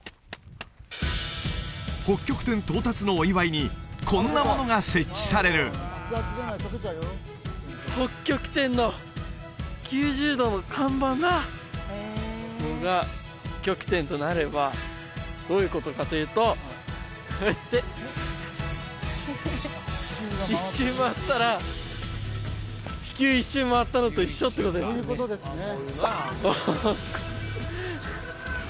北極点到達のお祝いにこんなものが設置される北極点の９０度の看板がここが北極点となればどういうことかというとこうやって１周回ったら地球１周回ったのと一緒ってことですよね